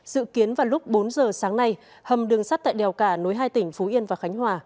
dự kiến vào lúc bốn giờ sáng nay hầm đường sắt tại đèo cả nối hai tỉnh phú yên và khánh hòa